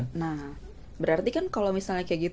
nah berarti kan kalau misalnya